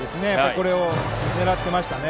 これを狙っていましたね。